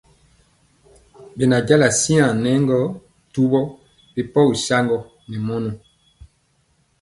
Bɛnja siaŋ nɛ gɔ duwɔ ri pɔgi saŋgɔ ne mɔnɔ.